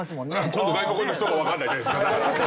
今度外国の人がわかんないじゃないですか。